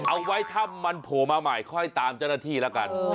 เอาไว้ถ้ามันโผล่มาใหม่ค่อยตามเจ้าหน้าที่แล้วกัน